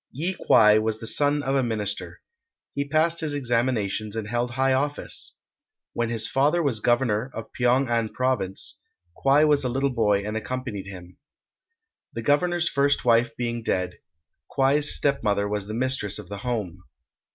] Yi Kwai was the son of a minister. He passed his examinations and held high office. When his father was Governor of Pyong an Province, Kwai was a little boy and accompanied him. The Governor's first wife being dead, Kwai's stepmother was the mistress of the home.